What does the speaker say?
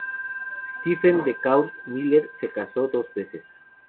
Stephen Decatur Miller se casó dos veces.